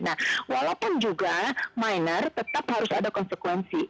nah walaupun juga miner tetap harus ada konsekuensi